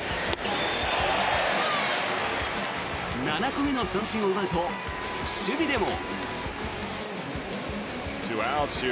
７個目の三振を奪うと守備でも。